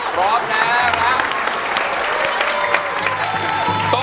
พร้อมนะครับ